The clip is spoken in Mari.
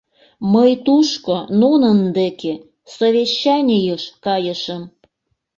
Мый тушко, нунын деке, совещанийыш кайышым.